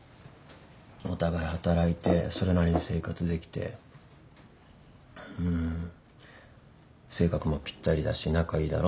お互い働いてそれなりに生活できてうん性格もぴったりだし仲いいだろ